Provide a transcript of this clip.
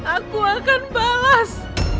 aku akan balas